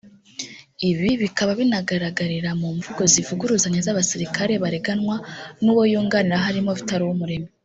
ibi bikaba binagaragarira no mu mvugo zivuguruzanya z’abasirikare bareganwa nuwo yunganira harimo Vital Uwumuremyi